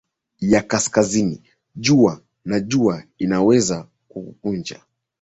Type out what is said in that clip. ya kaskazini jua na jua inaweza kukunja